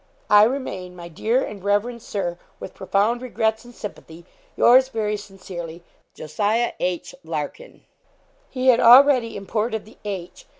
'I remain, my dear and reverend Sir, with profound regrets and sympathy, yours very sincerely, 'JOS. H. LARKIN.' He had already imported the H.